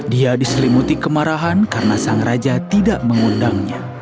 dia diselimuti kemarahan karena sang raja tidak mengundangnya